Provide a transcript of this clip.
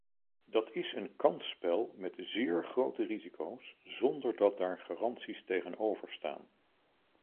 Dat is een kansspel met zeer grote risico's zonder dat daar garanties tegenover staan.